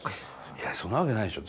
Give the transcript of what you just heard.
「いやそんなわけないでしょ」